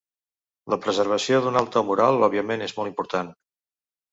La preservació d'un alt to moral òbviament és molt important.